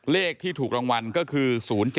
เลขที่ถูกรางวัลก็คือ๐๗